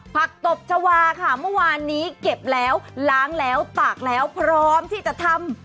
ตบชาวาค่ะเมื่อวานนี้เก็บแล้วล้างแล้วตากแล้วพร้อมที่จะทำ